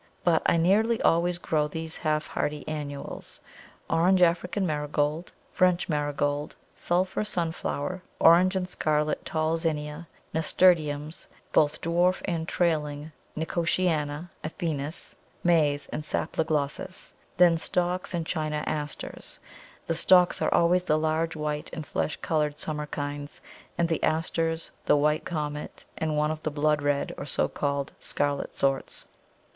But I nearly always grow these half hardy annuals; orange African Marigold, French Marigold, sulphur Sunflower, orange and scarlet tall Zinnia, Nasturtiums, both dwarf and trailing, Nicotiana affinis, Maize, and Salpiglossis. Then Stocks and China Asters. The Stocks are always the large white and flesh coloured summer kinds, and the Asters, the White Comet, and one of the blood red or so called scarlet sorts.